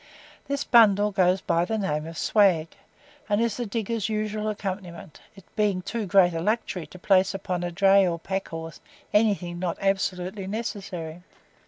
This bundle goes by the name of "swag," and is the digger's usual accompaniment it being too great a luxury to place upon a dray or pack horse anything not absolutely necessary.